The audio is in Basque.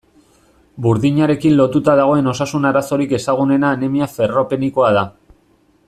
Burdinarekin lotuta dagoen osasun arazorik ezagunena anemia ferropenikoa da.